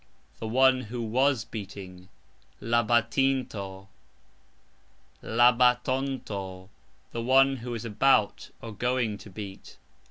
The one who was beating. La batonto ...... The one who is about (going) to beat.